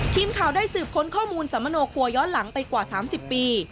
ทีมข่าวได้สืบค้นข้อมูลสมโนครัวย้อนหลังไปกว่า๓๐ปี